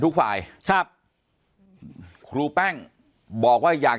แต่คุณยายจะขอย้ายโรงเรียน